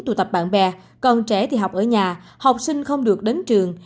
tụ tập bạn bè còn trẻ thì học ở nhà học sinh không được đến trường